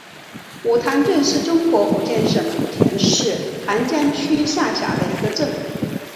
梧塘镇是中国福建省莆田市涵江区下辖的一个镇。